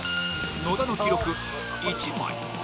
野田の記録１枚